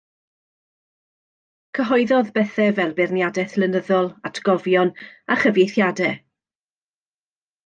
Cyhoeddodd bethau fel beirniadaeth lenyddol, atgofion a chyfieithiadau